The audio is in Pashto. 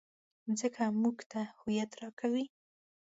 مځکه موږ ته هویت راکوي.